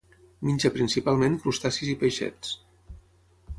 Menja principalment crustacis i peixets.